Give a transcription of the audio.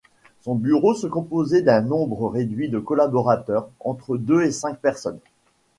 Son bureau se composait d’un nombre réduit de collaborateurs, entre deux et cinq personnes.